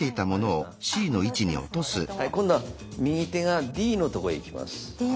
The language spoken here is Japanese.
今度は右手がＤのとこへいきます。